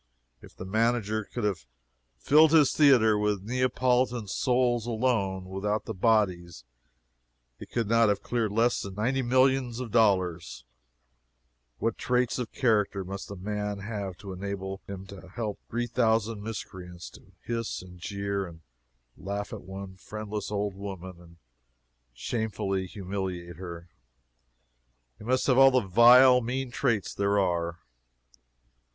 If the manager could have filled his theatre with Neapolitan souls alone, without the bodies, he could not have cleared less than ninety millions of dollars. What traits of character must a man have to enable him to help three thousand miscreants to hiss, and jeer, and laugh at one friendless old woman, and shamefully humiliate her? He must have all the vile, mean traits there are.